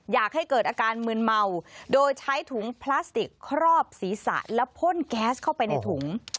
อยากให้เกิดอาการมืนเมาโดยใช้ถุงพลาสติกครอบศีรษะและพ่นแก๊สเข้าไปในถุง